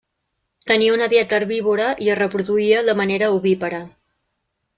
Tenia una dieta herbívora i es reproduïa de manera ovípara.